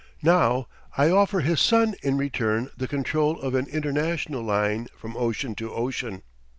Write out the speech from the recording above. Now I offer his son in return the control of an international line from ocean to ocean."